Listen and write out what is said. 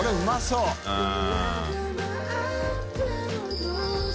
うん。